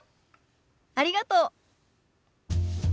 ありがとう。